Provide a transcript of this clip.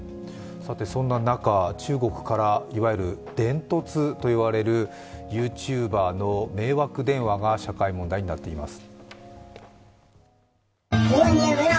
そんな中、中国から電突といわれるＹｏｕＴｕｂｅｒの迷惑電話が社会問題になっています。